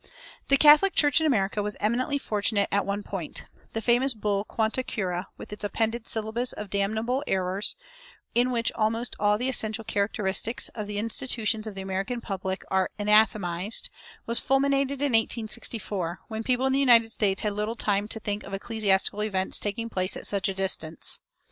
The Catholic Church in America was eminently fortunate at one point: the famous bull Quanta Cura, with its appended "Syllabus" of damnable errors, in which almost all the essential characteristics of the institutions of the American Republic are anathematized, was fulminated in 1864, when people in the United States had little time to think of ecclesiastical events taking place at such a distance.